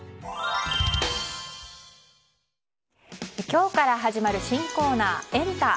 今日から始まる新コーナーエンタ！